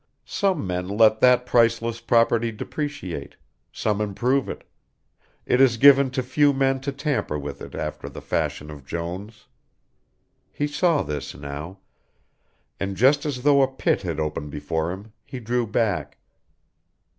Some men let that priceless property depreciate, some improve it, it is given to few men to tamper with it after the fashion of Jones. He saw this now, and just as though a pit had opened before him he drew back.